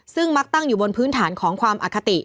ซึ่งมักตั้งอยู่บนพื้นฐานของความอคติ